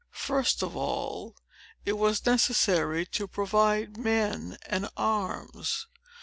First of all, it was necessary to provide men and arms.